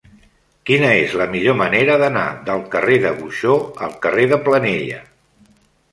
Quina és la millor manera d'anar del carrer de Buxó al carrer de Planella?